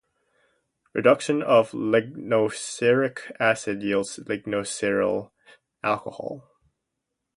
Reduction of lignoceric acid yields lignoceryl alcohol.